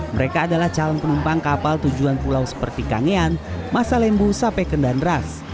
mereka adalah calon penumpang kapal tujuan pulau seperti kangean masalembu sapeken dan ras